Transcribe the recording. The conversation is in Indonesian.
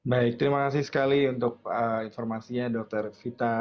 baik terima kasih sekali untuk informasinya dokter vita